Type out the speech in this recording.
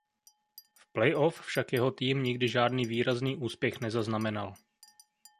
V play off však jeho tým nikdy žádný výrazný úspěch nezaznamenal.